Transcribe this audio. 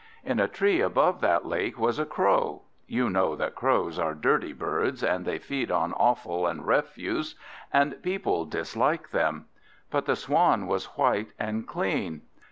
In a tree above that lake was a Crow. You know that Crows are dirty birds, and they feed on offal and refuse, and people dislike them; but the Swan was white and clean.